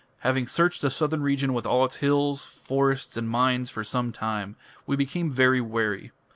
Having searched the southern region with all its hills, forests, and mines for some time, we became very weary.